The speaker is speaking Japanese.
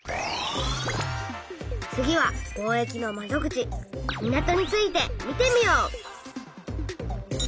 次は「貿易の窓口・港」について見てみよう！